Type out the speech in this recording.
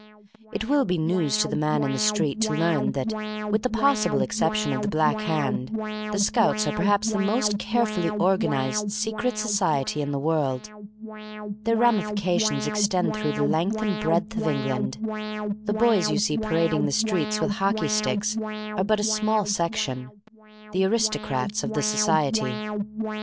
It will be news to the Man in the Street to learn that, with the possible exception of the Black Hand, the Scouts are perhaps the most carefully organised secret society in the world. Their ramifications extend through the length and breadth of England. The boys you see parading the streets with hockey sticks are but a small section, the aristocrats of the Society.